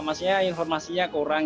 masnya informasinya kurang